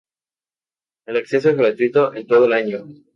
El acceso es gratuito en todo el año.